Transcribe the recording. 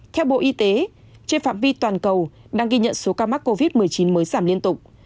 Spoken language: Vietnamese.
theo bộ y tế trên phạm vi toàn cầu đang ghi nhận số ca mắc covid một mươi chín mới giảm liên tục